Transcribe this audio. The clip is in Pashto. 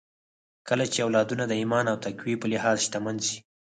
کله چې اولادونه د ايمان او تقوی په لحاظ شتمن سي